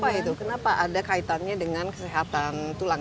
kenapa itu kenapa ada kaitannya dengan kesehatan tulang